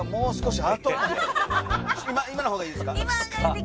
今の方がいいですか？